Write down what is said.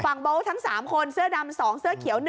โบ๊ททั้ง๓คนเสื้อดำ๒เสื้อเขียว๑